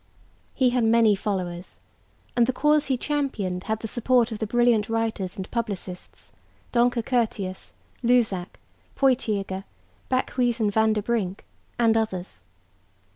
He had many followers; and the cause he championed had the support of the brilliant writers and publicists, Donker Curtius, Luzac, Potgieter, Bakhuizen van der Brink and others.